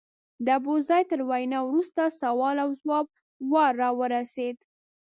د ابوزید تر وینا وروسته سوال او ځواب وار راورسېد.